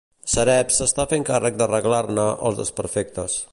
Sareb s'està fent càrrec d'arreglar-ne els desperfectes.